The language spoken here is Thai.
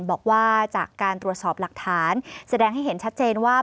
บอกว่าจากการตรวจสอบหลักฐานแสดงให้เห็นชัดเจนว่า